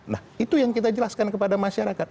nah itu yang kita jelaskan kepada masyarakat